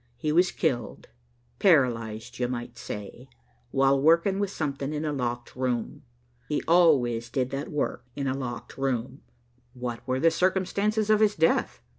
He was killed, paralysed, you might say, while working with something in a locked room. He always did that work in a locked room." "What were the circumstances of his death?"